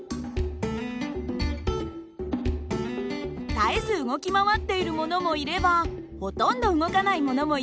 絶えず動き回っているものもいればほとんど動かないものもいます。